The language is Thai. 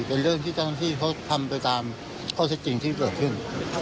เป็นเรื่องที่ต้องที่เขาทำไปตามข้อสิทธิ์จริงที่เกิดขึ้น